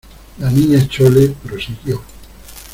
la Niña Chole prosiguió: